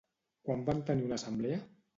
Quan van tenir una assemblea?